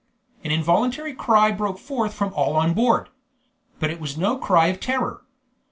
An involuntary cry broke forth from all on board. But it was no cry of terror.